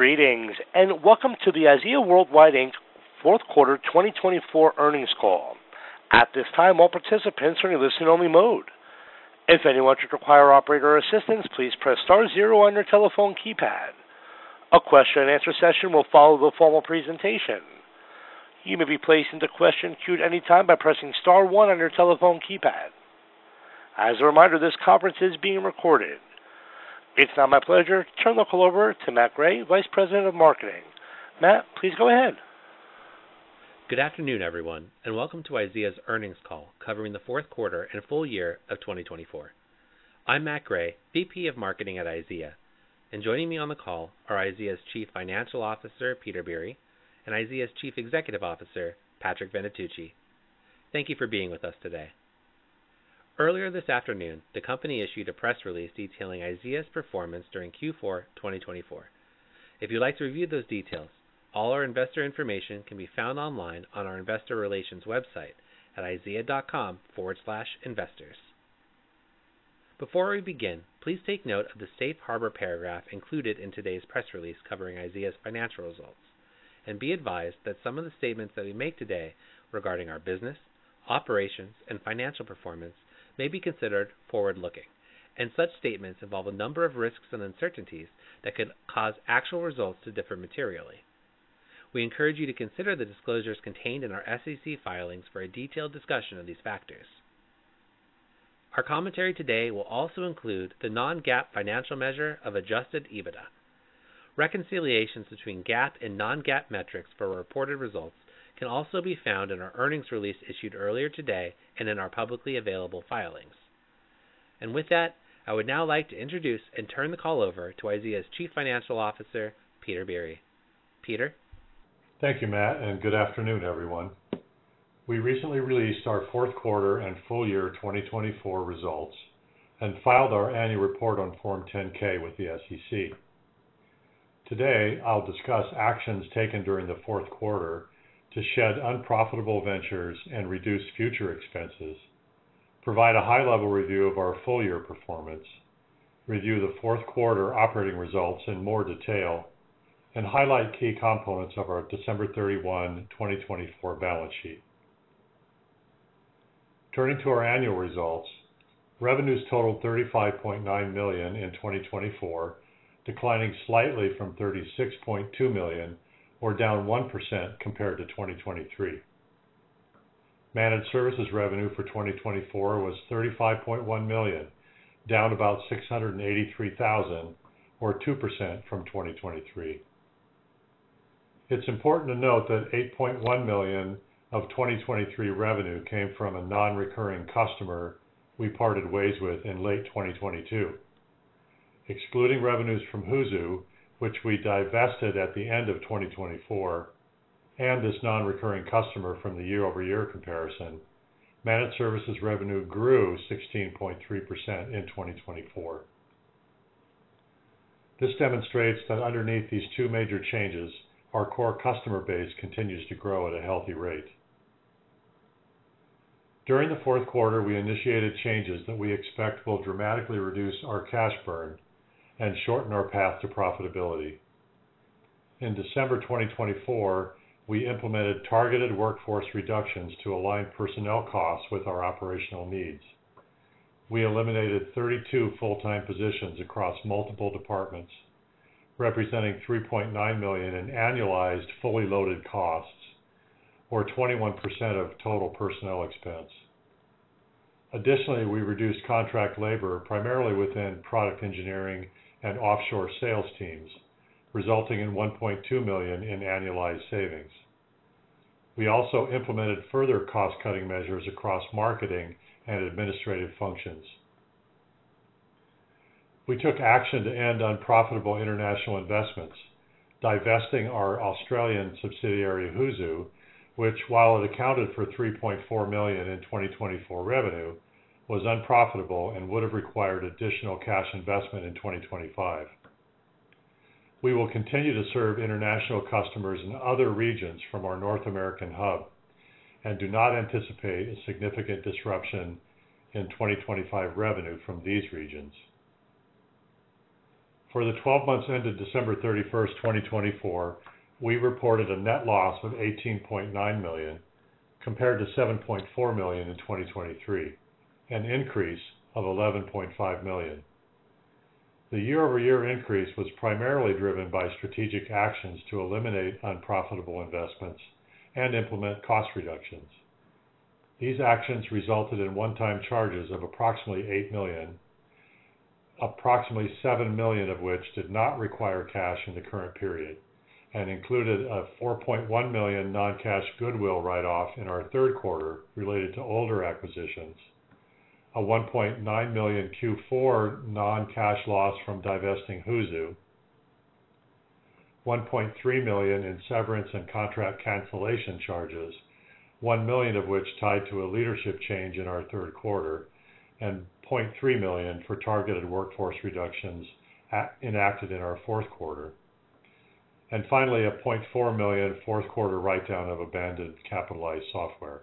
Greetings, and welcome to the IZEA Worldwide Inc, fourth quarter 2024 earnings call. At this time, all participants are in listen-only mode. If anyone should require operator assistance, please press star zero on your telephone keypad. A question-and-answer session will follow the formal presentation. You may be placed into question queue at any time by pressing star one on your telephone keypad. As a reminder, this conference is being recorded. If it's not my pleasure, turn the call over to Matt Gray, Vice President of Marketing. Matt, please go ahead. Good afternoon, everyone, and welcome to IZEA's earnings call covering the fourth quarter and full year of 2024. I'm Matt Gray, VP of Marketing at IZEA, and joining me on the call are IZEA's Chief Financial Officer, Peter Biere, and IZEA's Chief Executive Officer, Patrick Venetucci. Thank you for being with us today. Earlier this afternoon, the company issued a press release detailing IZEA's performance during Q4 2024. If you'd like to review those details, all our investor information can be found online on our investor relations website at izea.com/investors. Before we begin, please take note of the safe harbor paragraph included in today's press release covering IZEA's financial results, and be advised that some of the statements that we make today regarding our business, operations, and financial performance may be considered forward-looking, and such statements involve a number of risks and uncertainties that could cause actual results to differ materially. We encourage you to consider the disclosures contained in our SEC filings for a detailed discussion of these factors. Our commentary today will also include the non-GAAP financial measure of adjusted EBITDA. Reconciliations between GAAP and non-GAAP metrics for reported results can also be found in our earnings release issued earlier today and in our publicly available filings. With that, I would now like to introduce and turn the call over to IZEA's Chief Financial Officer, Peter Biere. Peter. Thank you, Matt, and good afternoon, everyone. We recently released our fourth quarter and full year 2024 results and filed our annual report on Form 10-K with the SEC. Today, I'll discuss actions taken during the fourth quarter to shed unprofitable ventures and reduce future expenses, provide a high-level review of our full year performance, review the fourth quarter operating results in more detail, and highlight key components of our December 31, 2024, balance sheet. Turning to our annual results, revenues totaled $35.9 million in 2024, declining slightly from $36.2 million, or down 1% compared to 2023. Managed services revenue for 2024 was $35.1 million, down about $683,000, or 2% from 2023. It's important to note that $8.1 million of 2023 revenue came from a non-recurring customer we parted ways with in late 2022. Excluding revenues from Hoozu, which we divested at the end of 2024, and this non-recurring customer from the year-over-year comparison, managed services revenue grew 16.3% in 2024. This demonstrates that underneath these two major changes, our core customer base continues to grow at a healthy rate. During the fourth quarter, we initiated changes that we expect will dramatically reduce our cash burn and shorten our path to profitability. In December 2024, we implemented targeted workforce reductions to align personnel costs with our operational needs. We eliminated 32 full-time positions across multiple departments, representing $3.9 million in annualized fully loaded costs, or 21% of total personnel expense. Additionally, we reduced contract labor primarily within product engineering and offshore sales teams, resulting in $1.2 million in annualized savings. We also implemented further cost-cutting measures across marketing and administrative functions. We took action to end unprofitable international investments, divesting our Australian subsidiary Hoozu, which, while it accounted for $3.4 million in 2024 revenue, was unprofitable and would have required additional cash investment in 2025. We will continue to serve international customers in other regions from our North American hub and do not anticipate a significant disruption in 2025 revenue from these regions. For the 12 months ended December 31, 2024, we reported a net loss of $18.9 million compared to $7.4 million in 2023, an increase of $11.5 million. The year-over-year increase was primarily driven by strategic actions to eliminate unprofitable investments and implement cost reductions. These actions resulted in one-time charges of approximately $8 million, approximately $7 million of which did not require cash in the current period, and included a $4.1 million non-cash goodwill write-off in our third quarter related to older acquisitions, a $1.9 million Q4 non-cash loss from divesting Hoozu, $1.3 million in severance and contract cancellation charges, $1 million of which tied to a leadership change in our third quarter, and $0.3 million for targeted workforce reductions enacted in our fourth quarter, and finally a $0.4 million fourth quarter write-down of abandoned capitalized software.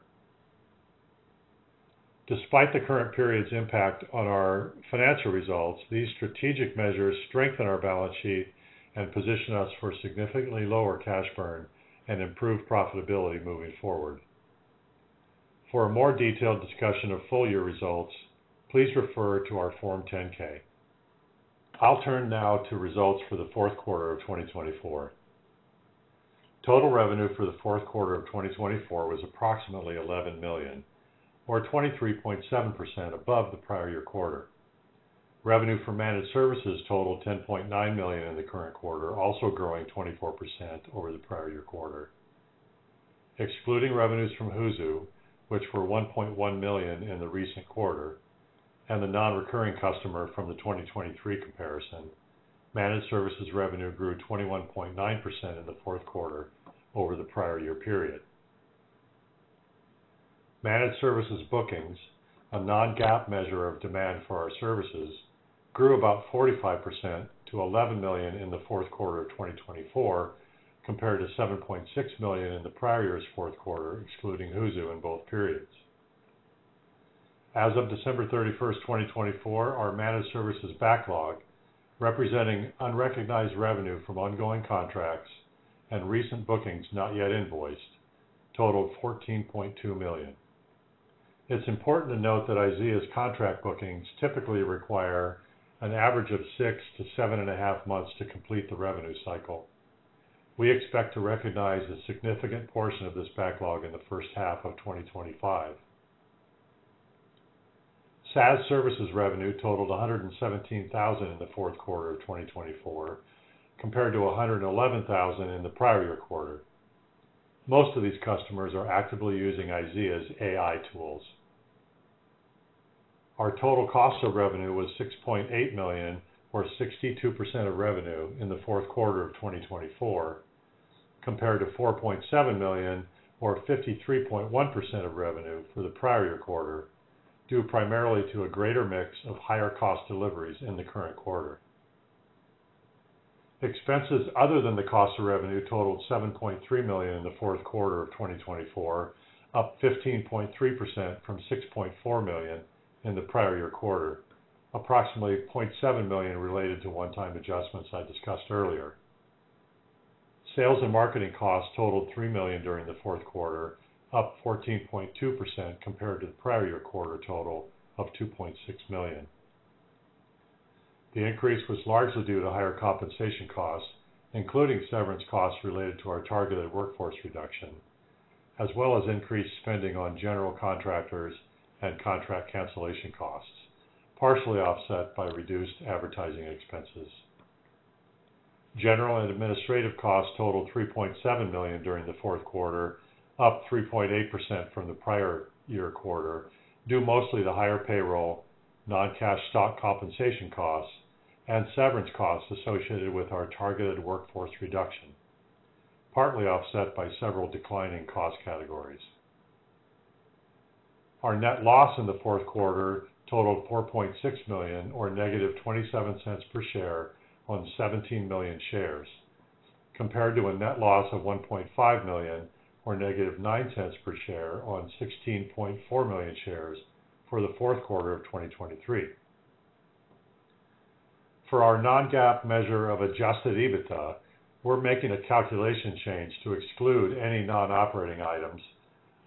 Despite the current period's impact on our financial results, these strategic measures strengthen our balance sheet and position us for significantly lower cash burn and improved profitability moving forward. For a more detailed discussion of full year results, please refer to our Form 10-K. I'll turn now to results for the fourth quarter of 2024. Total revenue for the fourth quarter of 2024 was approximately $11 million, or 23.7% above the prior year quarter. Revenue for managed services totaled $10.9 million in the current quarter, also growing 24% over the prior year quarter. Excluding revenues from Hoozu, which were $1.1 million in the recent quarter, and the non-recurring customer from the 2023 comparison, managed services revenue grew 21.9% in the fourth quarter over the prior year period. Managed services bookings, a non-GAAP measure of demand for our services, grew about 45% to $11 million in the fourth quarter of 2024 compared to $7.6 million in the prior year's fourth quarter, excluding Hoozu in both periods. As of December 31, 2024, our managed services backlog, representing unrecognized revenue from ongoing contracts and recent bookings not yet invoiced, totaled $14.2 million. It's important to note that IZEA's contract bookings typically require an average of six to seven and a half months to complete the revenue cycle. We expect to recognize a significant portion of this backlog in the first half of 2025. SaaS services revenue totaled $117,000 in the fourth quarter of 2024, compared to $111,000 in the prior year quarter. Most of these customers are actively using IZEA's AI tools. Our total cost of revenue was $6.8 million, or 62% of revenue in the fourth quarter of 2024, compared to $4.7 million, or 53.1% of revenue for the prior year quarter, due primarily to a greater mix of higher cost deliveries in the current quarter. Expenses other than the cost of revenue totaled $7.3 million in the fourth quarter of 2024, up 15.3% from $6.4 million in the prior year quarter, approximately $0.7 million related to one-time adjustments I discussed earlier. Sales and marketing costs totaled $3 million during the fourth quarter, up 14.2% compared to the prior year quarter total of $2.6 million. The increase was largely due to higher compensation costs, including severance costs related to our targeted workforce reduction, as well as increased spending on general contractors and contract cancellation costs, partially offset by reduced advertising expenses. General and administrative costs totaled $3.7 million during the fourth quarter, up 3.8% from the prior year quarter, due mostly to higher payroll, non-cash stock compensation costs, and severance costs associated with our targeted workforce reduction, partly offset by several declining cost categories. Our net loss in the fourth quarter totaled $4.6 million, or negative $0.27 per share on 17 million shares, compared to a net loss of $1.5 million, or negative $0.09 per share on 16.4 million shares for the fourth quarter of 2023. For our non-GAAP measure of adjusted EBITDA, we're making a calculation change to exclude any non-operating items,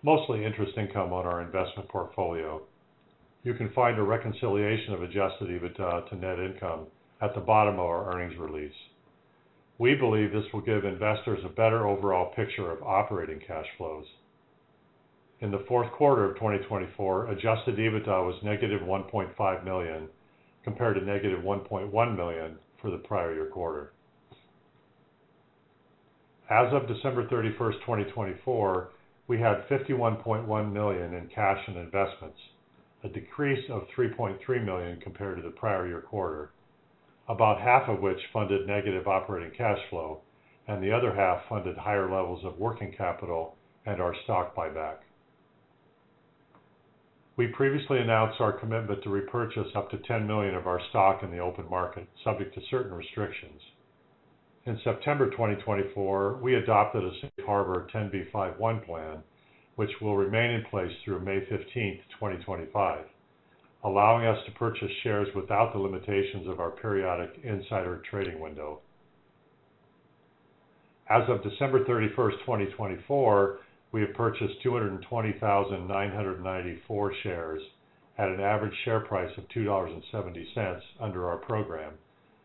mostly interest income on our investment portfolio. You can find a reconciliation of adjusted EBITDA to net income at the bottom of our earnings release. We believe this will give investors a better overall picture of operating cash flows. In the fourth quarter of 2024, adjusted EBITDA was negative $1.5 million compared to negative $1.1 million for the prior year quarter. As of December 31, 2024, we had $51.1 million in cash and investments, a decrease of $3.3 million compared to the prior year quarter, about half of which funded negative operating cash flow, and the other half funded higher levels of working capital and our stock buyback. We previously announced our commitment to repurchase up to $10 million of our stock in the open market, subject to certain restrictions. In September 2024, we adopted a safe harbor 10b5-1 plan, which will remain in place through May 15, 2025, allowing us to purchase shares without the limitations of our periodic insider trading window. As of December 31, 2024, we have purchased 220,994 shares at an average share price of $2.70 under our program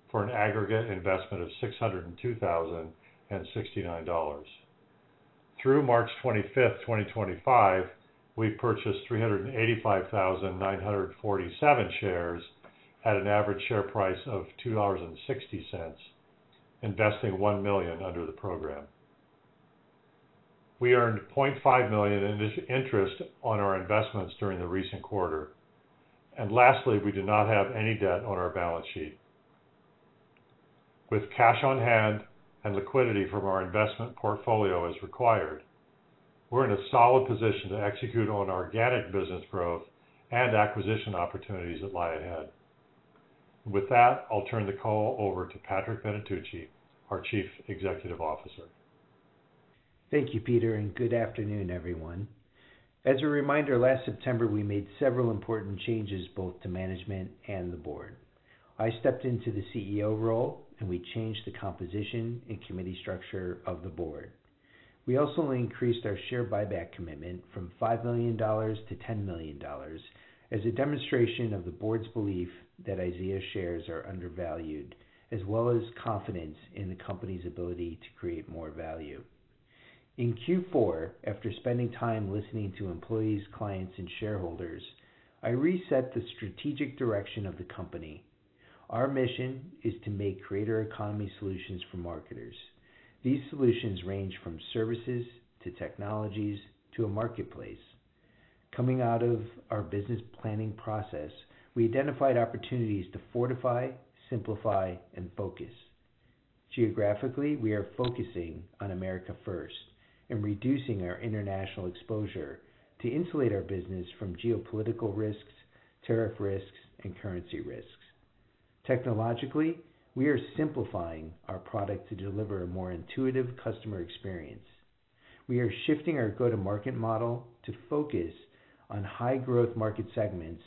for an aggregate investment of $602,069. Through March 25, 2025, we've purchased 385,947 shares at an average share price of $2.60, investing $1 million under the program. We earned $0.5 million in interest on our investments during the recent quarter. Lastly, we do not have any debt on our balance sheet. With cash on hand and liquidity from our investment portfolio as required, we're in a solid position to execute on organic business growth and acquisition opportunities that lie ahead. With that, I'll turn the call over to Patrick Venetucci, our Chief Executive Officer. Thank you, Peter, and good afternoon, everyone. As a reminder, last September, we made several important changes both to management and the board. I stepped into the CEO role, and we changed the composition and committee structure of the board. We also increased our share buyback commitment from $5 million to $10 million as a demonstration of the board's belief that IZEA shares are undervalued, as well as confidence in the company's ability to create more value. In Q4, after spending time listening to employees, clients, and shareholders, I reset the strategic direction of the company. Our mission is to make greater economy solutions for marketers. These solutions range from services to technologies to a marketplace. Coming out of our business planning process, we identified opportunities to fortify, simplify, and focus. Geographically, we are focusing on America first and reducing our international exposure to insulate our business from geopolitical risks, tariff risks, and currency risks. Technologically, we are simplifying our product to deliver a more intuitive customer experience. We are shifting our go-to-market model to focus on high-growth market segments,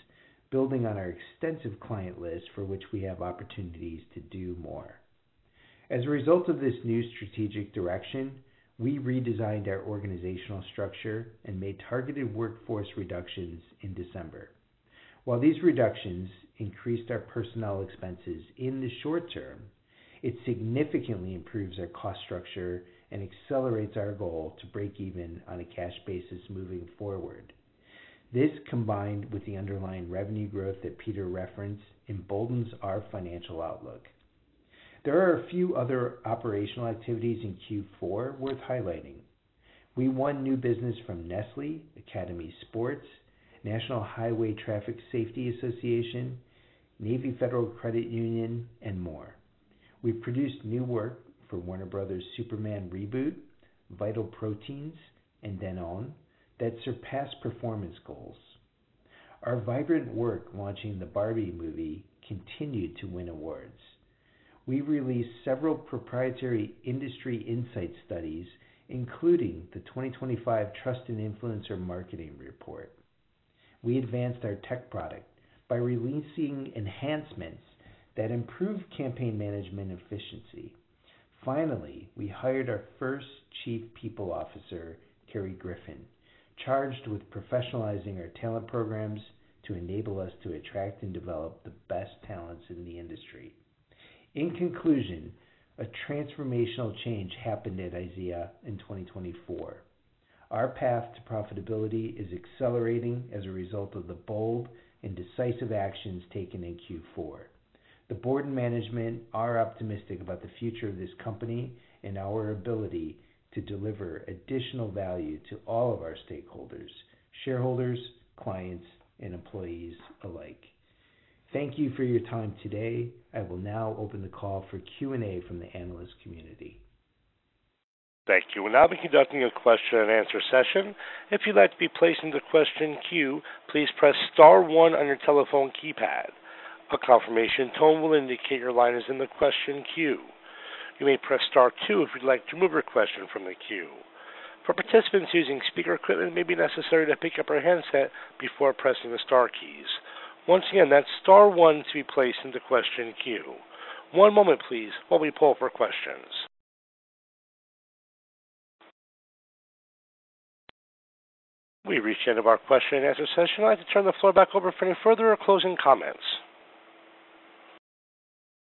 building on our extensive client list for which we have opportunities to do more. As a result of this new strategic direction, we redesigned our organizational structure and made targeted workforce reductions in December. While these reductions increased our personnel expenses in the short term, it significantly improves our cost structure and accelerates our goal to break even on a cash basis moving forward. This, combined with the underlying revenue growth that Peter referenced, emboldens our financial outlook. There are a few other operational activities in Q4 worth highlighting. We won new business from Nestlé, Academy Sports, National Highway Traffic Safety Association, Navy Federal Credit Union, and more. We've produced new work for Warner Bros. Superman Reboot, Vital Proteins, and Danone that surpassed performance goals. Our vibrant work launching the Barbie movie continued to win awards. We've released several proprietary industry insight studies, including the 2025 Trust and Influencer Marketing Report. We advanced our tech product by releasing enhancements that improved campaign management efficiency. Finally, we hired our first Chief People Officer, Kerry Griffin, charged with professionalizing our talent programs to enable us to attract and develop the best talents in the industry. In conclusion, a transformational change happened at IZEA in 2024. Our path to profitability is accelerating as a result of the bold and decisive actions taken in Q4. The board and management are optimistic about the future of this company and our ability to deliver additional value to all of our stakeholders, shareholders, clients, and employees alike. Thank you for your time today. I will now open the call for Q&A from the analyst community. Thank you. We'll now be conducting a question-and-answer session. If you'd like to be placed in the question queue, please press star one on your telephone keypad. A confirmation tone will indicate your line is in the question queue. You may press star two if you'd like to remove your question from the queue. For participants using speaker equipment, it may be necessary to pick up your handset before pressing the star keys. Once again, that's star one to be placed in the question queue. One moment, please, while we pull up our questions. We've reached the end of our question-and-answer session. I'd like to turn the floor back over for any further or closing comments.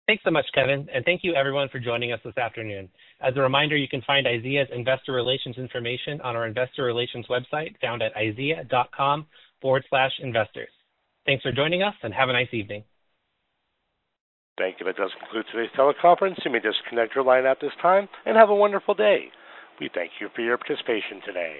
Thanks so much, Kevin, and thank you, everyone, for joining us this afternoon. As a reminder, you can find IZEA's investor relations information on our investor relations website found at izea.com/investors. Thanks for joining us, and have a nice evening. Thank you. That does conclude today's teleconference. You may disconnect your line at this time and have a wonderful day. We thank you for your participation today.